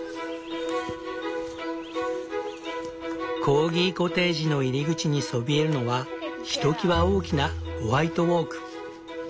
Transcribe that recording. コーギコテージの入り口にそびえるのはひときわ大きなホワイトオーク。